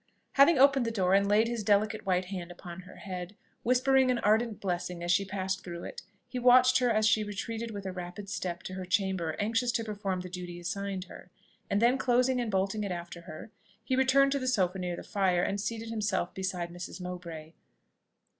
Having opened the door, and laid his delicate white hand upon her head, whispering an ardent blessing as she passed through it, he watched her as she retreated with a rapid step to her chamber anxious to perform the duty assigned her; and then closing and bolting it after her, he returned to the sofa near the fire, and seated himself beside Mrs. Mowbray.